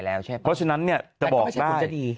เพราะฉะนั้นเนี่ยจะบอกได้